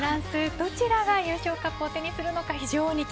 どちらが優勝カップを手にするのか非常にはい、